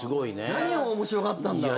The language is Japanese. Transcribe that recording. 何を面白がったんだろう。